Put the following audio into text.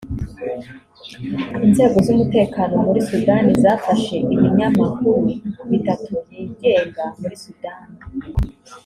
Inzego z’umutekano muri Sudani zafashe ibinyamakuru bitatu byigenga muri Sudani